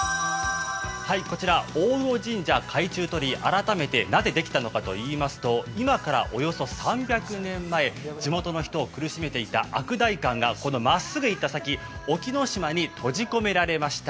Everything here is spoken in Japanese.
こちら大魚神社の海中鳥居、なぜできたのかといいますと、今からおよそ３００年前、地元の人を苦しめていた悪代官がこのまっすぐ行った先、沖ノ島に閉じ込められました。